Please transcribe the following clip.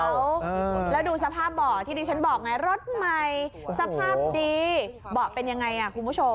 แล้วดูสภาพเบาะที่ดิฉันบอกไงรถใหม่สภาพดีเบาะเป็นยังไงอ่ะคุณผู้ชม